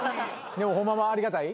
でもホンマはありがたい？